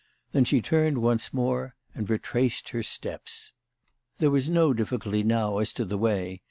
Then she turned once more and retraced her steps. There was no difficulty now as to the way.